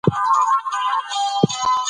د وطن په نره خدمت وکړئ.